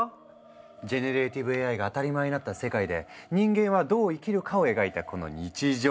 ジェネレーティブＡＩが当たり前になった世界で人間はどう生きるかを描いたこの日常系スリラー漫画！